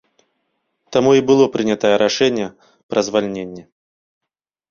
Таму і было прынятае рашэнне пра звальненне.